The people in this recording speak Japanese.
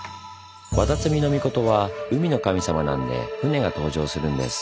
綿津見命は海の神様なんで船が登場するんです。